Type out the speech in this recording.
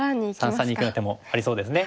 三々にいくような手もありそうですね。